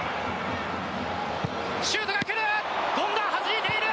シュートが来る！